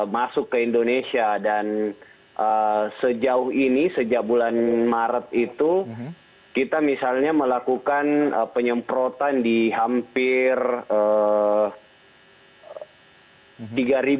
masuk ke indonesia dan sejauh ini sejak bulan maret itu kita misalnya melakukan penyemprotan di hampir